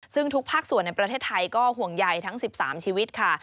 ซึ่งทุกภาคส่วนในประเทศไทยก็ห่วงใยทั้ง๑๓ชีวิตค่ะ